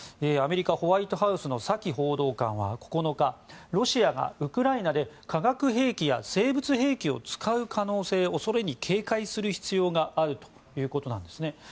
アメリカ、ホワイトハウスのサキ報道官は９日ロシアがウクライナで化学兵器や生物兵器を使う可能性恐れに警戒する必要があるということなんですね。